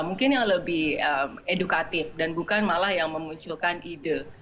mungkin yang lebih edukatif dan bukan malah yang memunculkan ide